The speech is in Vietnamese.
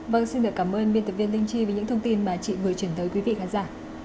vâng xin được cảm ơn biên tập viên linh chi vì những thông tin mà chị vừa chuyển tới quý vị khán giả